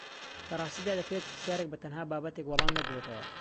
لە ڕاستیدا دەکرێت پرسیارێک بە تەنها بابەتێک وەڵام نەدرێتەوە